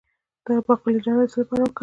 د باقلي دانه د څه لپاره وکاروم؟